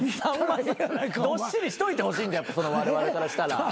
どっしりしといてほしいんでわれわれからしたら。